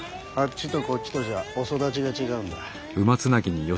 あっちとこっちとじゃお育ちが違うんだ。